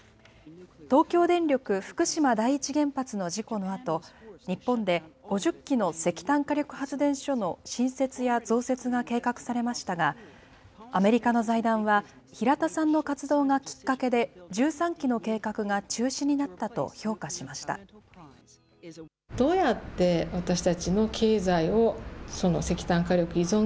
東京電力福島第一原発の事故のあと、日本で５０基の石炭火力発電所の新設や増設が計画されましたが、アメリカの財団は、平田さんの活動がきっかけで、１３基の計画が中止になったと評価しました。